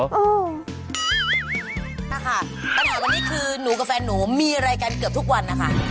จ้ะฮะตอนนี้คือหนูกับแฟนหนูมีอะไรกันเกือบทุกวัน